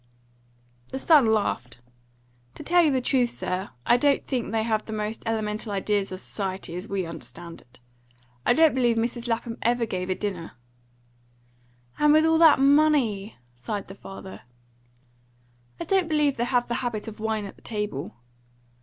The son laughed. "To tell you the truth, sir, I don't think they have the most elemental ideas of society, as we understand it. I don't believe Mrs. Lapham ever gave a dinner." "And with all that money!" sighed the father. "I don't believe they have the habit of wine at table.